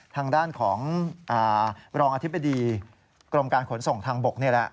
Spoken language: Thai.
ทางด้านของรองอธิบดีกรมการขนส่งทางบกนี่แหละ